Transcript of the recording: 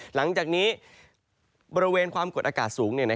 หลังจากนี้บริเวณความกดอากาศสูง